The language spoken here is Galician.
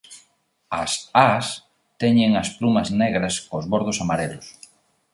As ás teñen as plumas negras cos bordos amarelos.